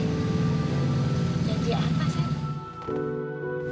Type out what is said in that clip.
janji apa sat